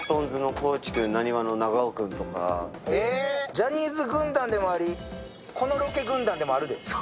ジャニーズ軍団でもあり、このロケ軍団でもあるで。